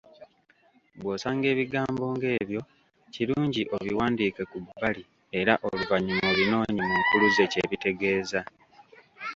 Bw’osanga ebigambo ng’ebyo, kirungi obiwandiike ku bbali era oluvannyuma obinoonye mu nkuluze kye bitegeeza.